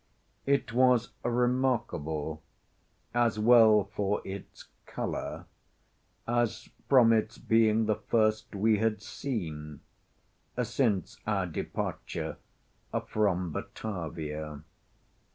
It was remarkable, as well for its color, as from its being the first we had seen since our departure from Batavia.